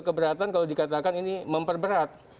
keberatan kalau dikatakan ini memperberat